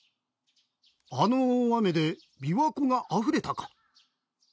あの大雨で琵琶湖があふれたか。